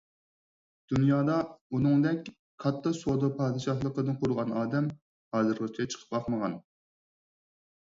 دۇنيادا ئۇنىڭدەك كاتتا سودا پادىشاھلىقىنى قۇرغان ئادەم ھازىرغىچە چىقىپ باقمىغان.